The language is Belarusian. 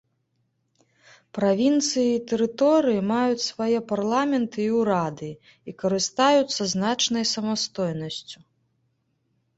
Правінцыі і тэрыторыі маюць свае парламенты і ўрады і карыстаюцца значнай самастойнасцю.